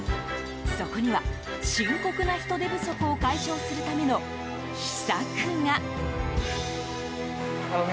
そこには、深刻な人手不足を解消するための秘策が。